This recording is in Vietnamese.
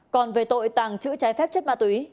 còn về tội tàng trữ trái phép chất ma túy